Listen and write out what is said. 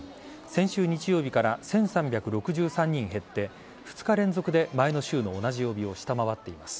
先週日曜日から１３６３人減って２日連続で前の週の同じ曜日を下回っています。